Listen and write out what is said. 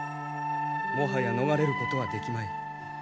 もはや逃れることはできまい。